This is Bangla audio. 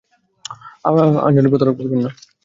আঞ্জলি প্রতারক বলবে না।